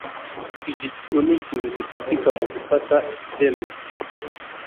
Igiciro nikintu gifatika mugufata icyemezo